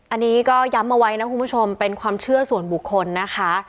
อันนี้ก็ย้ำเอาไว้นะคุณผู้ชมเป็นความเชื่อส่วนบุคคลนะคะ